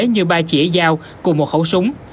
như ba chỉa dao cùng một khẩu súng